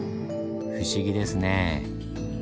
不思議ですねぇ。